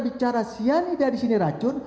bicara cyanida di sini racun